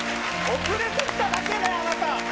遅れてきただけね、あなた。